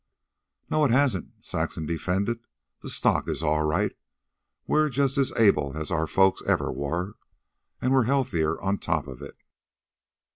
"No, it hasn't," Saxon defended. "The stock is all right. We're just as able as our folks ever were, and we're healthier on top of it.